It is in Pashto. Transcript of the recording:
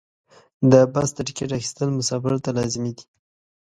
د بس د ټکټ اخیستل مسافر ته لازمي دي.